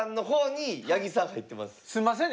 すいませんね